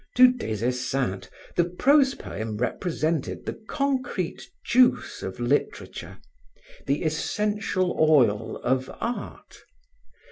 To Des Esseintes, the prose poem represented the concrete juice of literature, the essential oil of art.